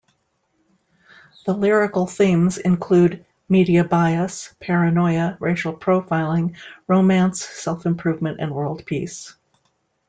The lyrical themes include media bias, paranoia, racial profiling, romance, self-improvement and world peace.